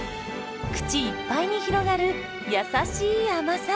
口いっぱいに広がる優しい甘さ。